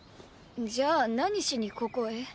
じゃあ何しにここへ？